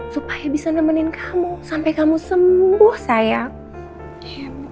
supaya bisa nemenin kamu sampai kamu sembuh sayang